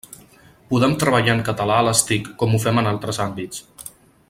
Podem treballar en català a les TIC, com ho fem en altres àmbits.